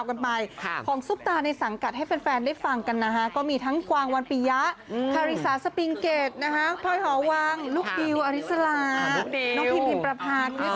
เขาก็ทำคอนเทนต์อัปเดตชีวิตช่วงล็อคดาวน์กันไป